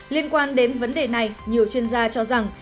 liên quan đến vấn đề này nhiều chuyên gia cho rằng